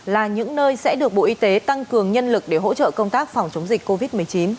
là những nơi sẽ được bộ y tế tăng cường nhân lực để hỗ trợ công tác phòng chống dịch covid một mươi chín